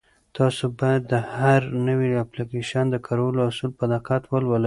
تاسو باید د هر نوي اپلیکیشن د کارولو اصول په دقت ولولئ.